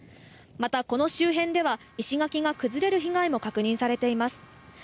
また、この周辺では石垣が崩れる被害も確認されています。